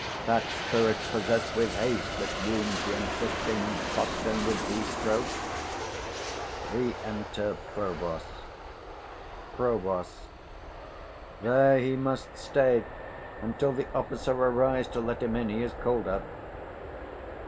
That spirit's possessed with haste That wounds the unsisting postern with these strokes. 85 Re enter PROVOST. Prov. There he must stay until the officer Arise to let him in: he is call'd up.